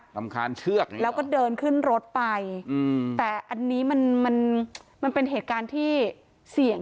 ำคาญเชือกแล้วก็เดินขึ้นรถไปอืมแต่อันนี้มันมันเป็นเหตุการณ์ที่เสี่ยง